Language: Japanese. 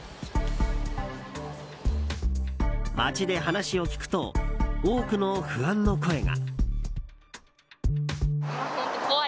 街で話を聞くと多くの不安の声が。